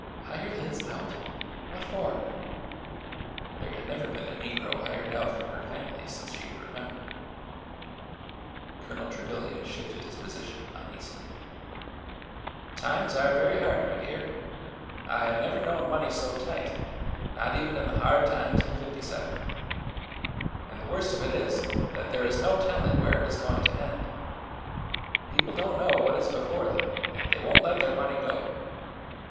"Hire Liz out? What for?'' There had never been a negro hired out from her family since she could remember. Colonel Trevilian shifted his position uneasily. " Times are very hard, my dear. I have never known money so tight, not even in the hard times of '57. And the worst of it is, that there is no telling where it is going to end. People don't know what is before them, and they won't let their money go.